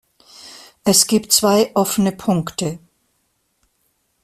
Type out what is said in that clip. Es gibt zwei offene Punkte.